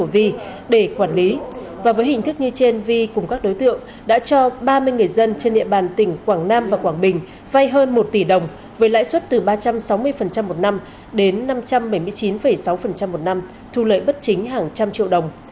với hình thức như trên vi cùng các đối tượng đã cho ba mươi người dân trên địa bàn tỉnh quảng nam và quảng bình vay hơn một tỷ đồng với lãi suất từ ba trăm sáu mươi một năm đến năm trăm bảy mươi chín sáu một năm thu lợi bất chính hàng trăm triệu đồng